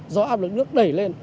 do áp lực nước đẩy lên